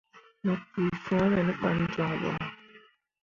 Mu cuu swãme ne fan joŋ bo.